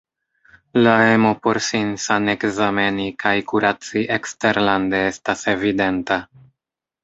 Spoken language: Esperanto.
La emo por sin sanekzameni kaj kuraci eksterlande estas evidenta.